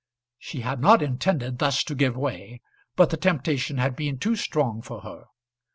She had not intended thus to give way, but the temptation had been too strong for her.